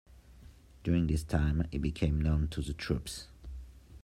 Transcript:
During this time he became known to the troops.